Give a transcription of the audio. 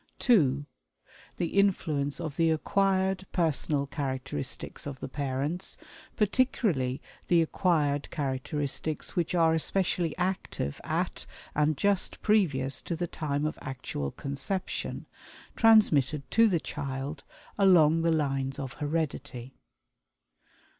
(2) The influence of the acquired personal characteristics of the parents (particularly the acquired characteristics which are especially active at and just previous to the time of actual conception), transmitted to the child along the lines of heredity.